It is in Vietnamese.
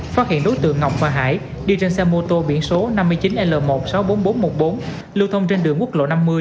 phát hiện đối tượng ngọc và hải đi trên xe mô tô biển số năm mươi chín l một trăm sáu mươi bốn nghìn bốn trăm một mươi bốn lưu thông trên đường quốc lộ năm mươi